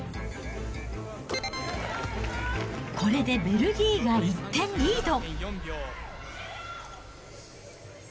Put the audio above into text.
これでベルギーが１点リード。